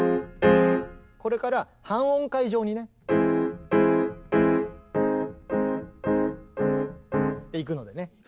これから半音階状にね。っていくのでね。